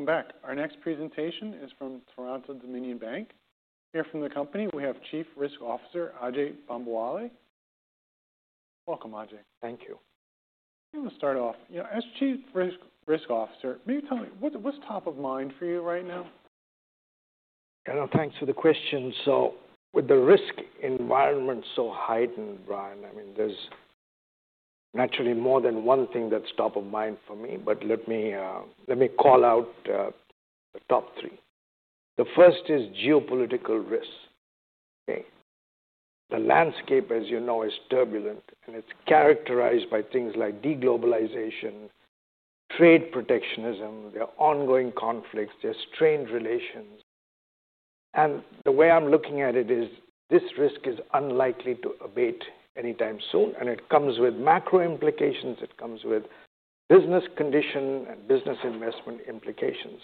Good morning and welcome back. Our next presentation is from TD Bank Group. Here from the company, we have Chief Risk Officer Ajai Bambawale. Welcome, Ajai. Thank you. I want to start off as Chief Risk Officer, maybe tell me, what's top of mind for you right now? Yeah, no, thanks for the question. With the risk environment so heightened, Brian, there's naturally more than one thing that's top of mind for me, but let me call out the top three. The first is geopolitical risk. The landscape, as you know, is turbulent, and it's characterized by things like deglobalization, trade protectionism, ongoing conflicts, and strained relations. The way I'm looking at it is this risk is unlikely to abate anytime soon, and it comes with macro implications. It comes with business condition and business investment implications.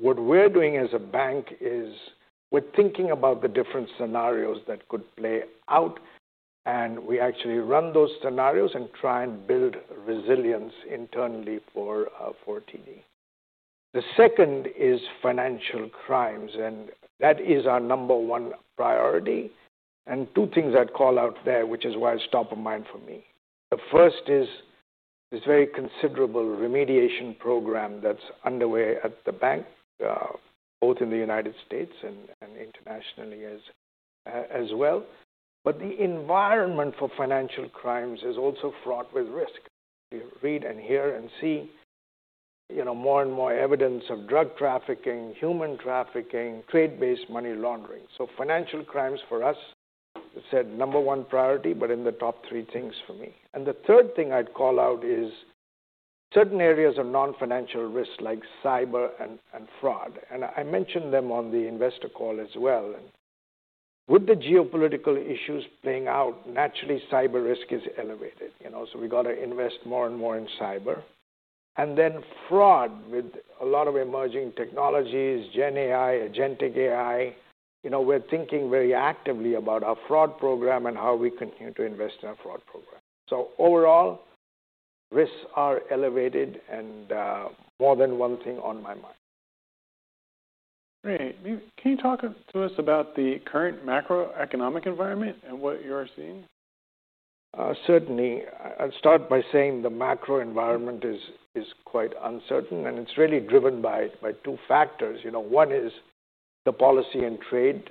What we're doing as a bank is we're thinking about the different scenarios that could play out, and we actually run those scenarios and try and build resilience internally for TD Bank. The second is financial crimes, and that is our number one priority. Two things I'd call out there, which is why it's top of mind for me. The first is this very considerable remediation program that's underway at the bank, both in the U.S. and internationally as well. The environment for financial crimes is also fraught with risk. You read and hear and see more and more evidence of drug trafficking, human trafficking, trade-based money laundering. Financial crimes for us, you said, number one priority, but in the top three things for me. The third thing I'd call out is certain areas of non-financial risk, like cyber and fraud. I mentioned them on the investor call as well. With the geopolitical issues playing out, naturally, cyber risk is elevated. We have to invest more and more in cyber. Fraud, with a lot of emerging technologies, generative AI, Agentic AI, we're thinking very actively about our fraud program and how we continue to invest in our fraud program. Overall, risks are elevated and more than one thing on my mind. Great. Can you talk to us about the current macroeconomic environment and what you're seeing? Certainly. I'll start by saying the macro environment is quite uncertain, and it's really driven by two factors. One is the policy and trade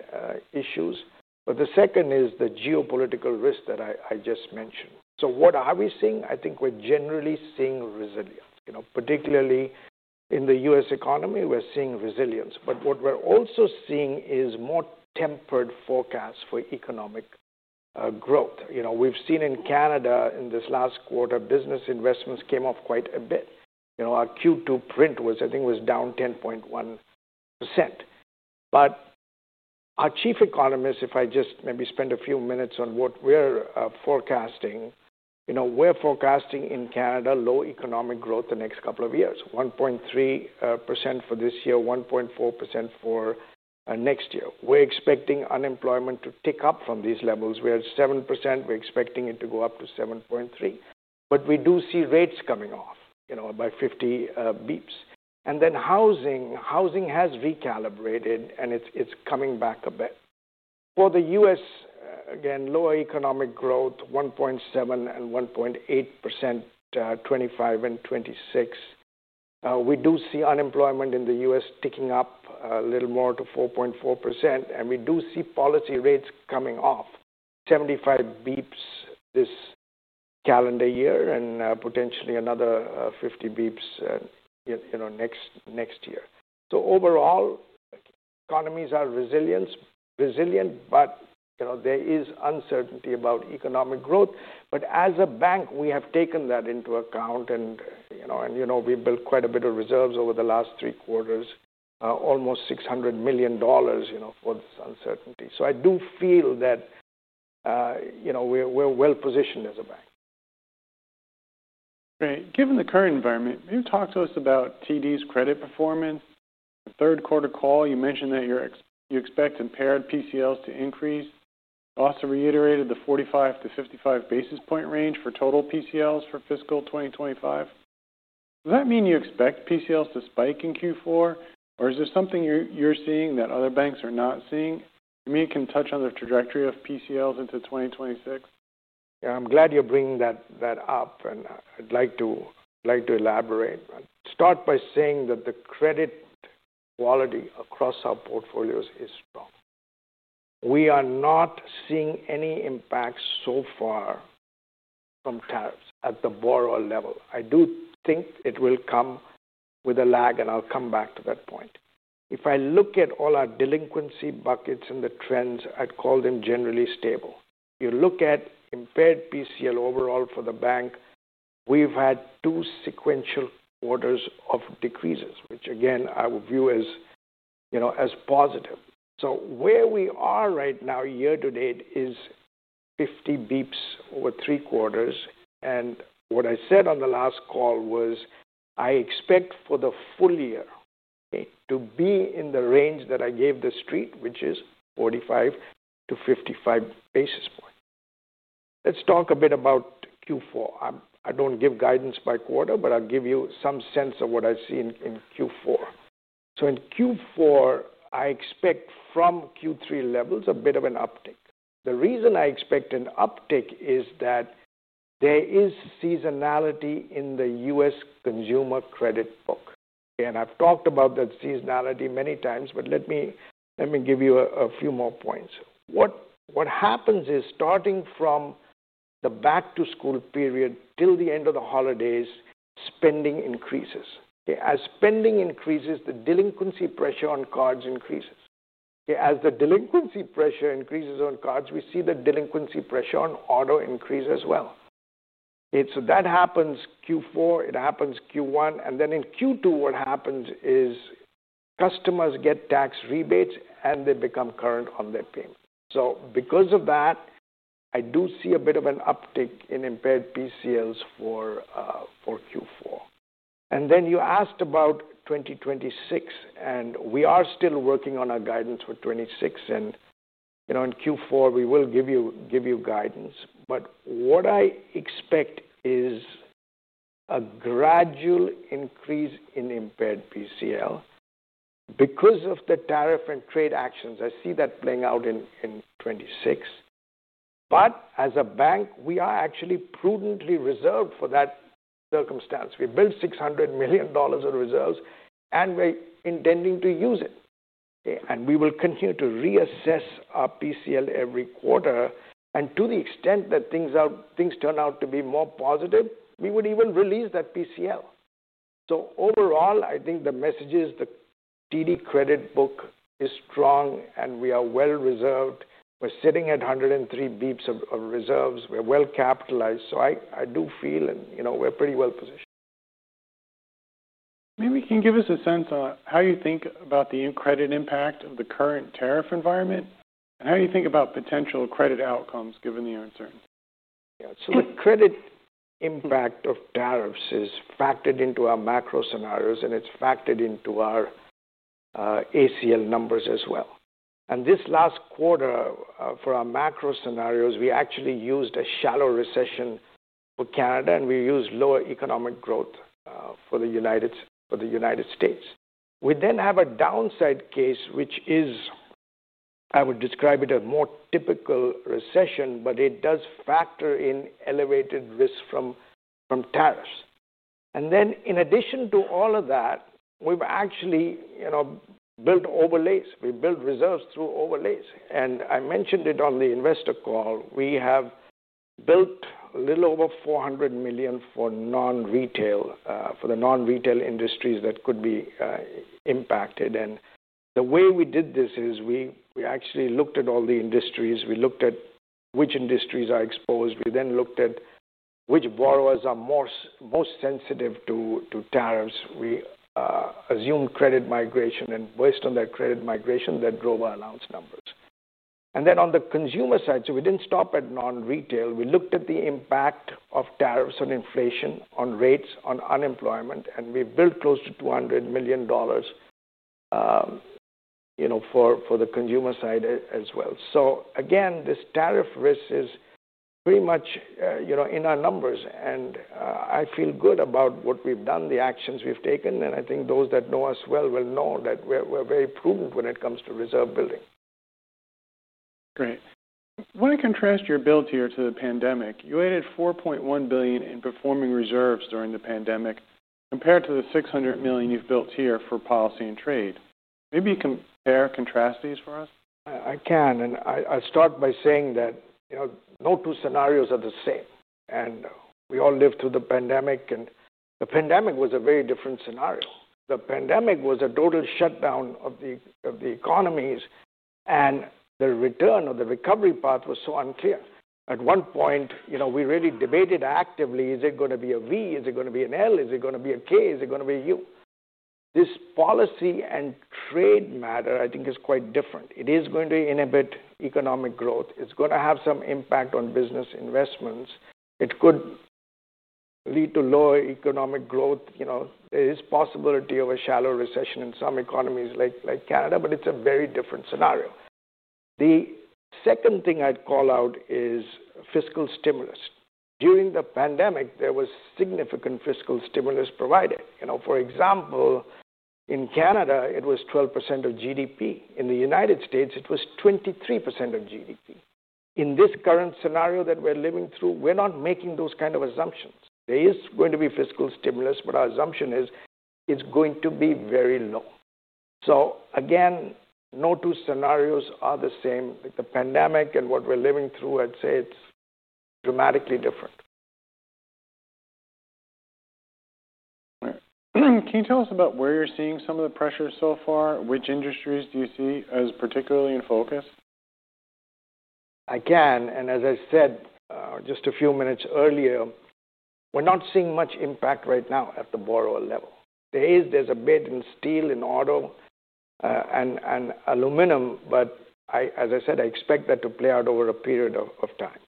issues, but the second is the geopolitical risk that I just mentioned. What are we seeing? I think we're generally seeing resilience, particularly in the U.S. economy, we're seeing resilience. What we're also seeing is more tempered forecasts for economic growth. We've seen in Canada, in this last quarter, business investments came off quite a bit. Our Q2 print was, I think, was down 10.1%. Our Chief Economist, if I just maybe spend a few minutes on what we're forecasting, we're forecasting in Canada low economic growth the next couple of years, 1.3% for this year, 1.4% for next year. We're expecting unemployment to tick up from these levels. We're at 7%. We're expecting it to go up to 7.3%. We do see rates coming off by 50 bps. Housing has recalibrated, and it's coming back a bit. For the U.S., again, lower economic growth, 1.7% and 1.8%, 2025 and 2026. We do see unemployment in the U.S. ticking up a little more to 4.4%, and we do see policy rates coming off, 75 bps this calendar year and potentially another 50 bps next year. Overall, economies are resilient, but there is uncertainty about economic growth. As a bank, we have taken that into account, and we built quite a bit of reserves over the last three quarters, almost $600 million for this uncertainty. I do feel that we're well positioned as a bank. Great. Given the current environment, maybe talk to us about TD Bank's credit performance. The third quarter call, you mentioned that you expect impaired PCLs to increase. You also reiterated the 45% to 55% basis point range for total PCLs for fiscal 2025. Does that mean you expect PCLs to spike in Q4, or is there something you're seeing that other banks are not seeing? Maybe you can touch on the trajectory of PCLs into 2026. I'm glad you're bringing that up, and I'd like to elaborate. I'll start by saying that the credit quality across our portfolios is strong. We are not seeing any impacts so far from tariffs at the borrower level. I do think it will come with a lag, and I'll come back to that point. If I look at all our delinquency buckets and the trends, I'd call them generally stable. You look at impaired PCL overall for the bank, we've had two sequential quarters of decreases, which again, I would view as positive. Where we are right now, year to date, is 50 bps over three quarters. What I said on the last call was I expect for the full year to be in the range that I gave the street, which is 45 to 55 bps. Let's talk a bit about Q4. I don't give guidance by quarter, but I'll give you some sense of what I see in Q4. In Q4, I expect from Q3 levels a bit of an uptick. The reason I expect an uptick is that there is seasonality in the U.S. consumer credit book. I've talked about that seasonality many times, but let me give you a few more points. What happens is, starting from the back-to-school period till the end of the holidays, spending increases. As spending increases, the delinquency pressure on cards increases. As the delinquency pressure increases on cards, we see the delinquency pressure on auto increase as well. That happens Q4, it happens Q1, and then in Q2, what happens is customers get tax rebates and they become current on their payment. Because of that, I do see a bit of an uptick in impaired PCLs for Q4. You asked about 2026, and we are still working on our guidance for 2026, and in Q4, we will give you guidance. What I expect is a gradual increase in impaired PCL because of the tariff and trade actions. I see that playing out in 2026. As a bank, we are actually prudently reserved for that circumstance. We built $600 million in reserves, and we're intending to use it. We will continue to reassess our PCL every quarter. To the extent that things turn out to be more positive, we would even release that PCL. Overall, I think the message is the TD Bank credit book is strong and we are well reserved. We're sitting at 103 bps of reserves. We're well capitalized. I do feel we're pretty well positioned. Maybe you can give us a sense on how you think about the credit impact of the current tariff environment, and how you think about potential credit outcomes given the uncertainty. The credit impact of tariffs is factored into our macro scenarios, and it's factored into our ACL numbers as well. This last quarter, for our macro scenarios, we actually used a shallow recession for Canada, and we used lower economic growth for the United States. We then have a downside case, which I would describe as a more typical recession, but it does factor in elevated risk from tariffs. In addition to all of that, we've actually built overlays. We built reserves through overlays. I mentioned it on the investor call. We have built a little over $400 million for non-retail, for the non-retail industries that could be impacted. The way we did this is we actually looked at all the industries. We looked at which industries are exposed. We then looked at which borrowers are most sensitive to tariffs. We assumed credit migration, and based on that credit migration, that drove our announced numbers. On the consumer side, we didn't stop at non-retail. We looked at the impact of tariffs on inflation, on rates, on unemployment, and we built close to $200 million for the consumer side as well. This tariff risk is pretty much in our numbers, and I feel good about what we've done, the actions we've taken, and I think those that know us well will know that we're very prudent when it comes to reserve building. Great. I want to contrast your build here to the pandemic. You added $4.1 billion in performing reserves during the pandemic compared to the $600 million you've built here for policy and trade. Maybe you can compare and contrast these for us? I can, and I'll start by saying that no two scenarios are the same. We all lived through the pandemic, and the pandemic was a very different scenario. The pandemic was a total shutdown of the economies, and the return or the recovery path was so unclear. At one point, we really debated actively, is it going to be a V, is it going to be an L, is it going to be a K, is it going to be a U? This policy and trade matter, I think, is quite different. It is going to inhibit economic growth. It's going to have some impact on business investments. It could lead to lower economic growth. There is a possibility of a shallow recession in some economies like Canada, but it's a very different scenario. The second thing I'd call out is fiscal stimulus. During the pandemic, there was significant fiscal stimulus provided. For example, in Canada, it was 12% of GDP. In the U.S., it was 23% of GDP. In this current scenario that we're living through, we're not making those kinds of assumptions. There is going to be fiscal stimulus, but our assumption is it's going to be very low. Again, no two scenarios are the same. The pandemic and what we're living through, I'd say it's dramatically different. Can you tell us about where you're seeing some of the pressure so far? Which industries do you see as particularly in focus? Again, as I said just a few minutes earlier, we're not seeing much impact right now at the borrower level. There is a bit in steel, in auto, and aluminum, but I, as I said, I expect that to play out over a period of time.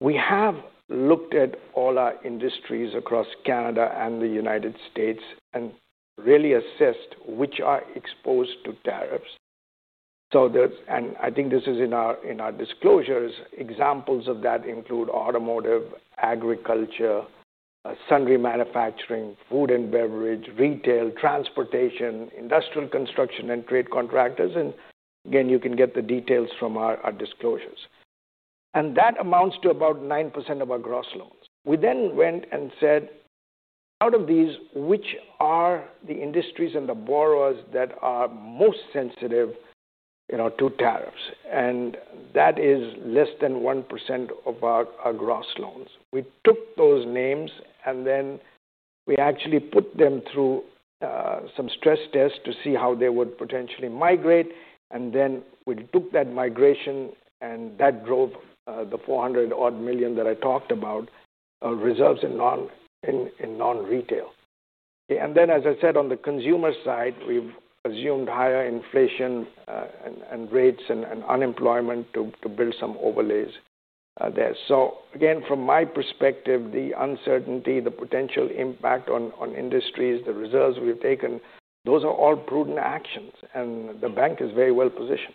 We have looked at all our industries across Canada and the United States and really assessed which are exposed to tariffs. I think this is in our disclosures; examples of that include automotive, agriculture, sundry manufacturing, food and beverage, retail, transportation, industrial construction, and trade contractors. You can get the details from our disclosures. That amounts to about 9% of our gross loans. We then went and said, out of these, which are the industries and the borrowers that are most sensitive, you know, to tariffs? That is less than 1% of our gross loans. We took those names and then we actually put them through some stress tests to see how they would potentially migrate. We took that migration and that drove the $400 million-odd that I talked about, our reserves in non-retail. As I said, on the consumer side, we've assumed higher inflation and rates and unemployment to build some overlays there. From my perspective, the uncertainty, the potential impact on industries, the reserves we've taken, those are all prudent actions, and the bank is very well positioned.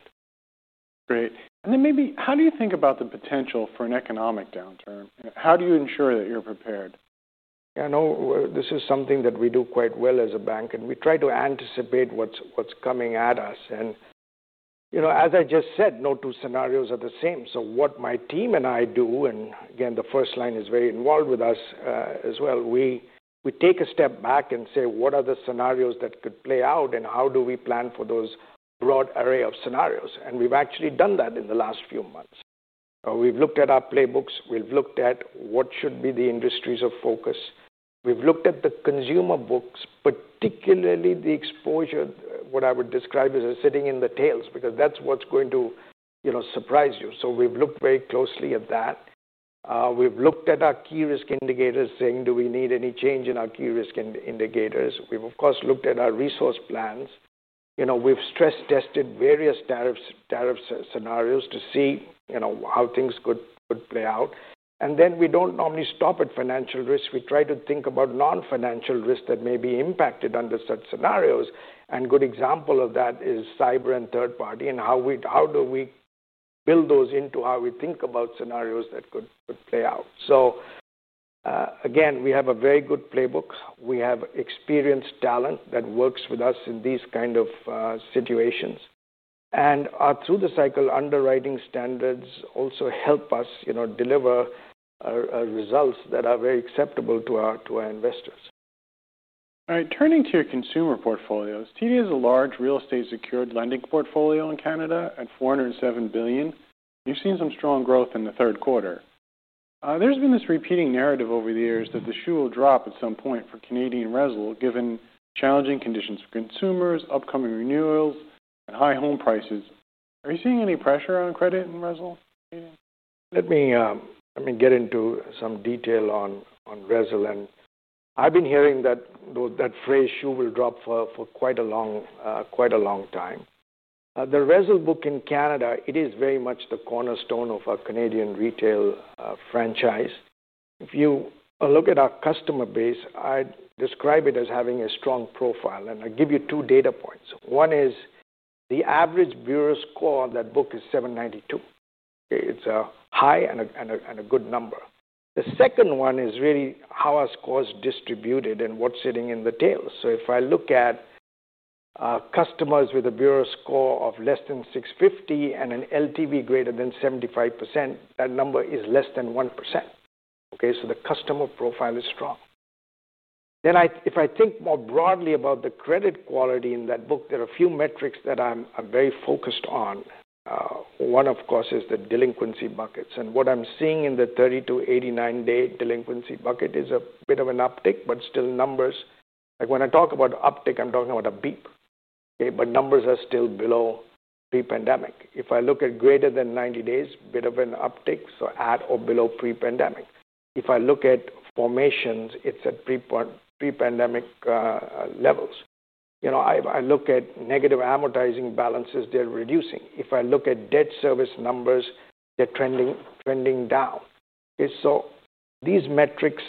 Great. Maybe, how do you think about the potential for an economic downturn? How do you ensure that you're prepared? Yeah, no, this is something that we do quite well as a bank, and we try to anticipate what's coming at us. As I just said, no two scenarios are the same. What my team and I do, and again, the first line is very involved with us as well, we take a step back and say, what are the scenarios that could play out and how do we plan for those broad array of scenarios? We've actually done that in the last few months. We've looked at our playbooks. We've looked at what should be the industries of focus. We've looked at the consumer books, particularly the exposure, what I would describe as sitting in the tails, because that's what's going to surprise you. We've looked very closely at that. We've looked at our key risk indicators, saying, do we need any change in our key risk indicators? We've, of course, looked at our resource plans. We've stress-tested various tariff scenarios to see how things could play out. We don't normally stop at financial risks. We try to think about non-financial risks that may be impacted under such scenarios. A good example of that is cyber and third-party and how do we build those into how we think about scenarios that could play out. We have a very good playbook. We have experienced talent that works with us in these kinds of situations. Through the cycle, underwriting standards also help us deliver results that are very acceptable to our investors. All right, turning to your consumer portfolios, TD Bank has a large real estate-secured lending portfolio in Canada at $407 billion. You've seen some strong growth in the third quarter. There's been this repeating narrative over the years that the shoe will drop at some point for Canadian resolve given challenging conditions for consumers, upcoming renewals, and high home prices. Are you seeing any pressure on credit and resolve? Let me get into some detail on resolve. I've been hearing that phrase "shoe will drop" for quite a long time. The resolve book in Canada is very much the cornerstone of our Canadian retail franchise. If you look at our customer base, I'd describe it as having a strong profile. I'll give you two data points. One is the average bureau score on that book is 792. It's a high and a good number. The second one is really how our score is distributed and what's sitting in the tails. If I look at customers with a bureau score of less than 650 and an LTV greater than 75%, that number is less than 1%. The customer profile is strong. If I think more broadly about the credit quality in that book, there are a few metrics that I'm very focused on. One, of course, is the delinquency buckets. What I'm seeing in the 30 to 89-day delinquency bucket is a bit of an uptick, but still numbers. When I talk about uptick, I'm talking about a beep. Numbers are still below pre-pandemic. If I look at greater than 90 days, a bit of an uptick, at or below pre-pandemic. If I look at formations, it's at pre-pandemic levels. I look at negative amortizing balances, they're reducing. If I look at debt service numbers, they're trending down. These metrics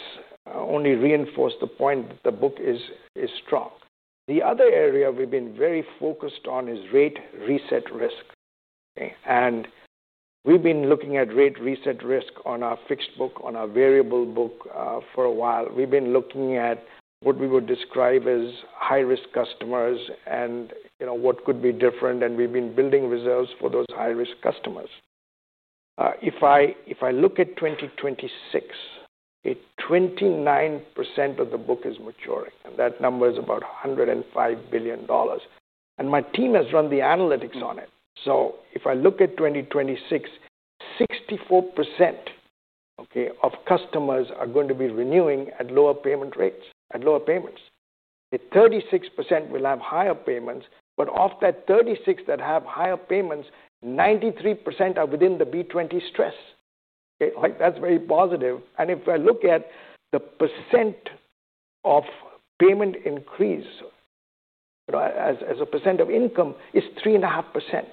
only reinforce the point that the book is strong. The other area we've been very focused on is rate reset risk. We've been looking at rate reset risk on our fixed book, on our variable book for a while. We've been looking at what we would describe as high-risk customers and what could be different. We've been building reserves for those high-risk customers. If I look at 2026, 29% of the book is maturing, and that number is about $105 billion. My team has run the analytics on it. If I look at 2026, 64% of customers are going to be renewing at lower payment rates, at lower payments. 36% will have higher payments, but of that 36% that have higher payments, 93% are within the B20 stress. That's very positive. If I look at the percent of payment increase as a percent of income, it's 3.5%.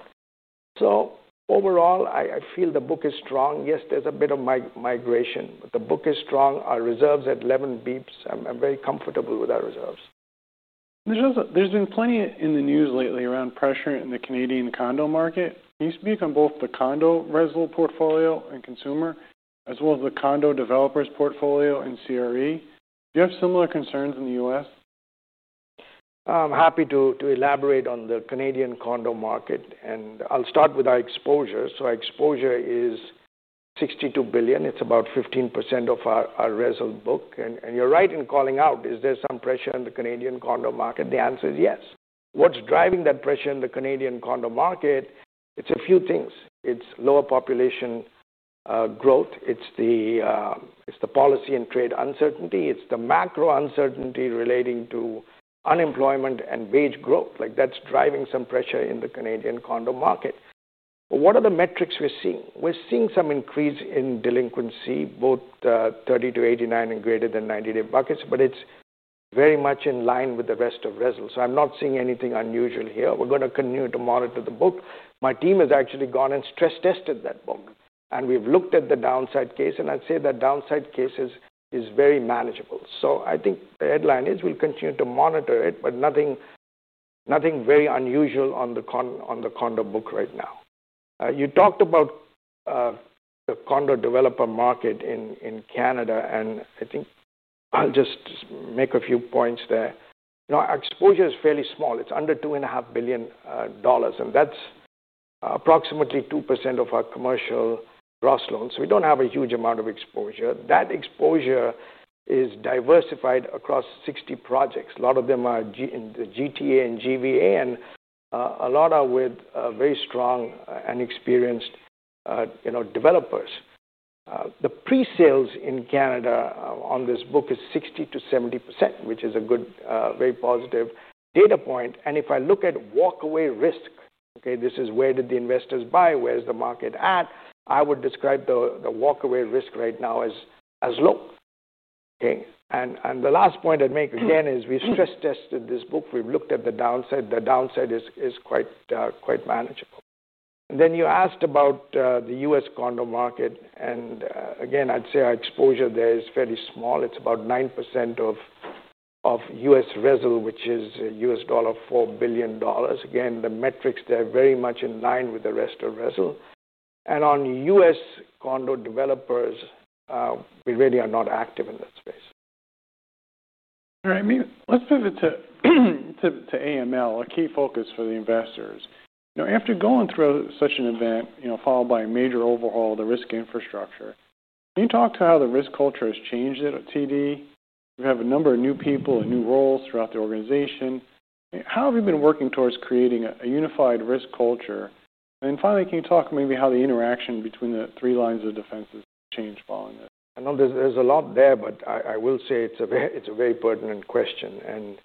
Overall, I feel the book is strong. Yes, there's a bit of migration, but the book is strong. Our reserves are at 11 bps. I'm very comfortable with our reserves. There's been plenty in the news lately around pressure in the Canadian condo market. Can you speak on both the condo resolve portfolio and consumer, as well as the condo developers' portfolio and CRE? Do you have similar concerns in the U.S.? I'm happy to elaborate on the Canadian condo market, and I'll start with our exposure. Our exposure is $62 billion. It's about 15% of our resolve book. You're right in calling out, is there some pressure in the Canadian condo market? The answer is yes. What's driving that pressure in the Canadian condo market? It's a few things. It's lower population growth, the policy and trade uncertainty, and the macro uncertainty relating to unemployment and wage growth. That's driving some pressure in the Canadian condo market. What are the metrics we're seeing? We're seeing some increase in delinquency, both 30 to 89 and greater than 90-day buckets, but it's very much in line with the rest of resolve. I'm not seeing anything unusual here. We're going to continue to monitor the book. My team has actually gone and stress-tested that book, and we've looked at the downside case. I'd say that downside case is very manageable. I think the headline is we'll continue to monitor it, but nothing very unusual on the condo book right now. You talked about the condo developer market in Canada, and I think I'll just make a few points there. Our exposure is fairly small. It's under $2.5 billion, and that's approximately 2% of our commercial gross loans. We don't have a huge amount of exposure. That exposure is diversified across 60 projects. A lot of them are in the GTA and GVA, and a lot are with very strong and experienced developers. The pre-sales in Canada on this book is 60% to 70%, which is a good, very positive data point. If I look at walkaway risk, this is where did the investors buy, where's the market at, I would describe the walkaway risk right now as low. The last point I'd make again is we stress-tested this book. We've looked at the downside. The downside is quite manageable. You asked about the U.S. condo market, and I'd say our exposure there is fairly small. It's about 9% of U.S. resolve, which is US$4 billion. The metrics there are very much in line with the rest of resolve. On U.S. condo developers, we really are not active in that space. All right, let's pivot to anti-money laundering (AML), a key focus for the investors. After going through such an event, followed by a major overhaul of the risk infrastructure, can you talk to how the risk culture has changed at TD Bank? We have a number of new people and new roles throughout the organization. How have you been working towards creating a unified risk culture? Finally, can you talk maybe how the interaction between the three lines of defense has changed following this? I know there's a lot there, but I will say it's a very pertinent question.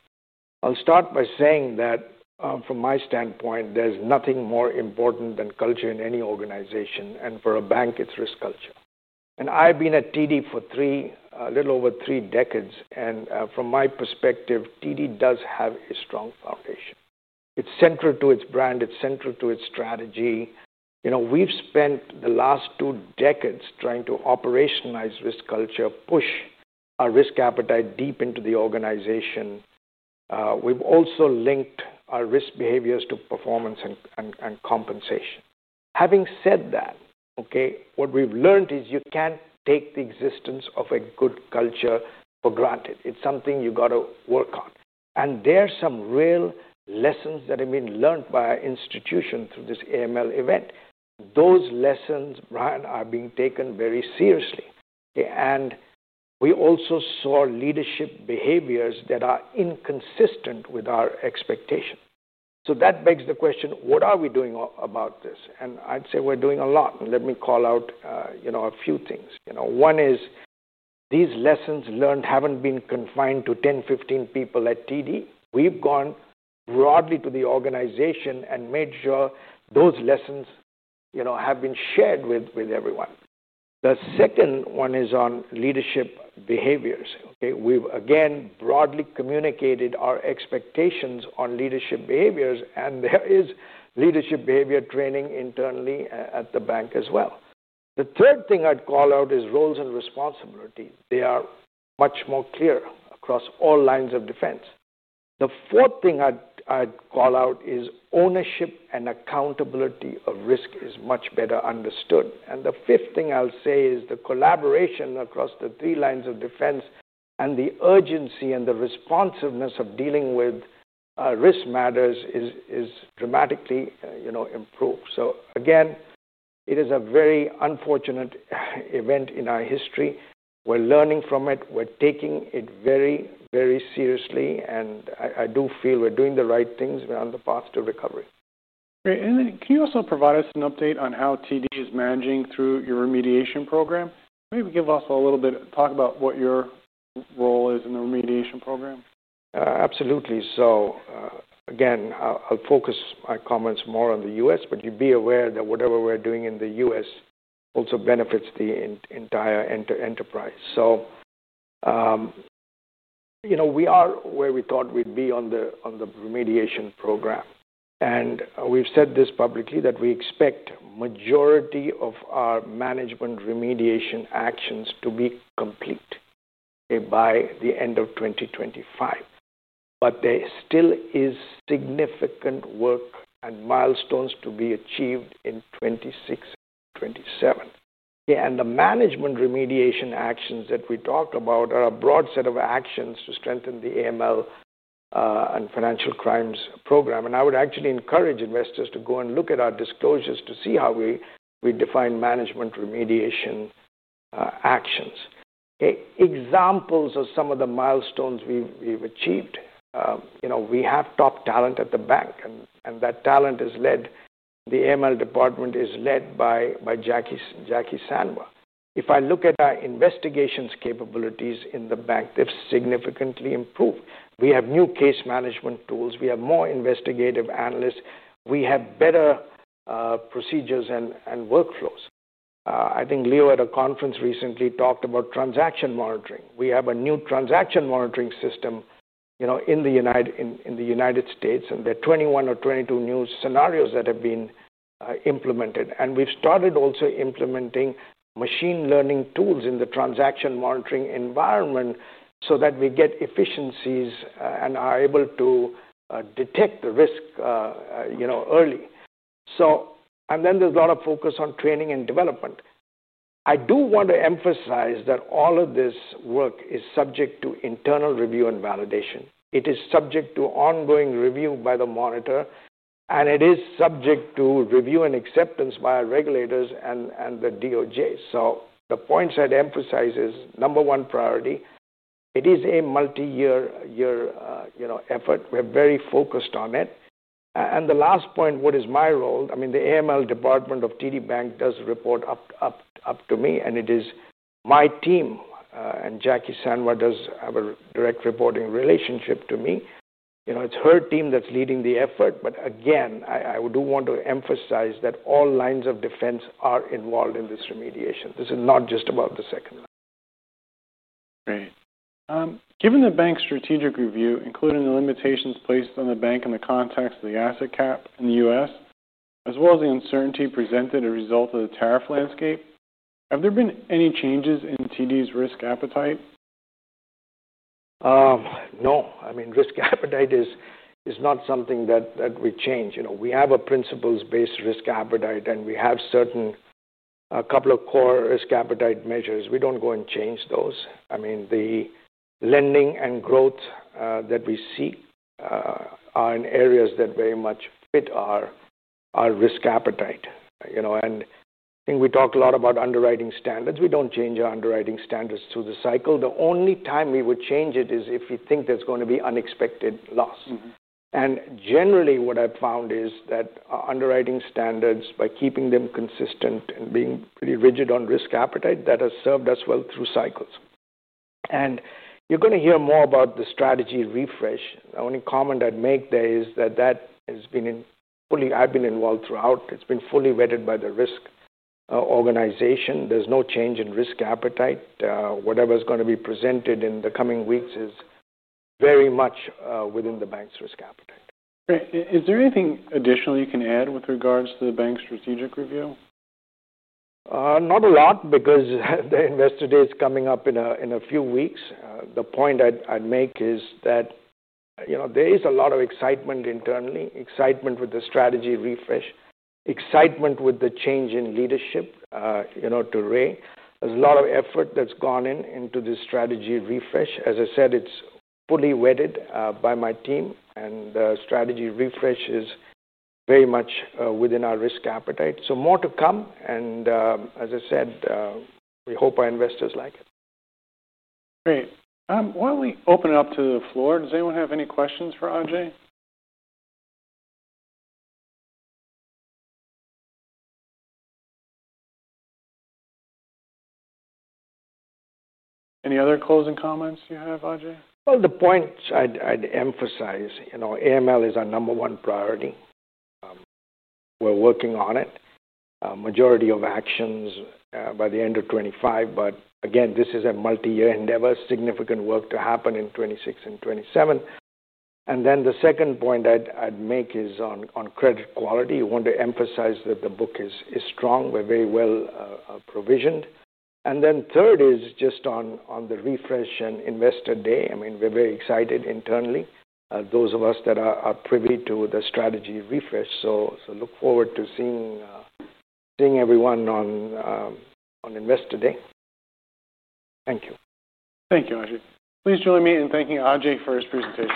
I'll start by saying that from my standpoint, there's nothing more important than culture in any organization. For a bank, it's risk culture. I've been at TD Bank for three, a little over three decades. From my perspective, TD Bank does have a strong foundation. It's central to its brand. It's central to its strategy. We've spent the last two decades trying to operationalize risk culture, push our risk appetite deep into the organization. We've also linked our risk behaviors to performance and compensation. Having said that, what we've learned is you can't take the existence of a good culture for granted. It's something you've got to work on. There are some real lessons that have been learned by our institution through this anti-money laundering (AML) event. Those lessons, Brian, are being taken very seriously. We also saw leadership behaviors that are inconsistent with our expectations. That begs the question, what are we doing about this? I'd say we're doing a lot. Let me call out a few things. One is these lessons learned haven't been confined to 10, 15 people at TD Bank. We've gone broadly to the organization and made sure those lessons have been shared with everyone. The second one is on leadership behaviors. We've, again, broadly communicated our expectations on leadership behaviors, and there is leadership behavior training internally at the bank as well. The third thing I'd call out is roles and responsibilities. They are much more clear across all lines of defense. The fourth thing I'd call out is ownership and accountability of risk is much better understood. The fifth thing I'll say is the collaboration across the three lines of defense and the urgency and the responsiveness of dealing with risk matters is dramatically improved. It is a very unfortunate event in our history. We're learning from it. We're taking it very, very seriously. I do feel we're doing the right things. We're on the path to recovery. Great. Can you also provide us an update on how TD Bank is managing through your remediation program? Maybe give us a little bit of talk about what your role is in the remediation program. Absolutely. Again, I'll focus my comments more on the U.S., but you'd be aware that whatever we're doing in the U.S. also benefits the entire enterprise. We are where we thought we'd be on the remediation program. We've said this publicly that we expect the majority of our management remediation actions to be complete by the end of 2025. There still is significant work and milestones to be achieved in 2026 and 2027. The management remediation actions that we talked about are a broad set of actions to strengthen the anti-money laundering (AML) and financial crimes program. I would actually encourage investors to go and look at our disclosures to see how we define management remediation actions. Examples of some of the milestones we've achieved: we have top talent at the bank, and that talent is led, the AML department is led by Jackie Sandborn. If I look at our investigations capabilities in the bank, they've significantly improved. We have new case management tools. We have more investigative analysts. We have better procedures and workflows. I think Leo at a conference recently talked about transaction monitoring. We have a new transaction monitoring system in the United States, and there are 21 or 22 new scenarios that have been implemented. We've started also implementing machine learning tools in the transaction monitoring environment so that we get efficiencies and are able to detect risk early. There is a lot of focus on training and development. I do want to emphasize that all of this work is subject to internal review and validation. It is subject to ongoing review by the monitor, and it is subject to review and acceptance by our regulators and the DOJ. The points I'd emphasize are number one priority. It is a multi-year effort. We're very focused on it. The last point, what is my role? The AML department of TD Bank does report up to me, and it is my team, and Jackie Sandborn does have a direct reporting relationship to me. It's her team that's leading the effort, but I do want to emphasize that all lines of defense are involved in this remediation. This is not just about the second line. Great. Given the bank's strategic review, including the limitations placed on the bank in the context of the asset cap in the U.S., as well as the uncertainty presented as a result of the tariff landscape, have there been any changes in TD Bank's risk appetite? No. I mean, risk appetite is not something that we change. We have a principles-based risk appetite, and we have certain couple of core risk appetite measures. We don't go and change those. The lending and growth that we seek are in areas that very much fit our risk appetite. I think we talk a lot about underwriting standards. We don't change our underwriting standards through the cycle. The only time we would change it is if we think there's going to be unexpected loss. Generally, what I've found is that underwriting standards, by keeping them consistent and being pretty rigid on risk appetite, that has served us well through cycles. You're going to hear more about the strategy refresh. The only comment I'd make there is that that has been fully, I've been involved throughout, it's been fully vetted by the risk organization. There's no change in risk appetite. Whatever's going to be presented in the coming weeks is very much within the bank's risk appetite. Great. Is there anything additional you can add with regards to the bank's strategic review? Not a lot, because the investor day is coming up in a few weeks. The point I'd make is that there is a lot of excitement internally, excitement with the strategy refresh, excitement with the change in leadership, to Ray, there's a lot of effort that's gone into this strategy refresh. As I said, it's fully vetted by my team, and the strategy refresh is very much within our risk appetite. More to come, and as I said, we hope our investors like it. Great. Why don't we open it up to the floor? Does anyone have any questions for Ajai? Any other closing comments you have, Ajai? AML is our number one priority. We're working on it. A majority of actions by the end of 2025, but again, this is a multi-year endeavor, significant work to happen in 2026 and 2027. The second point I'd make is on credit quality. I want to emphasize that the book is strong. We're very well provisioned. The third is just on the refresh and investor day. I mean, we're very excited internally, those of us that are privy to the strategy refresh. Look forward to seeing everyone on investor day. Thank you. Thank you, Ajai. Please join me in thanking Ajai for his participation.